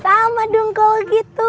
sama dong kalau gitu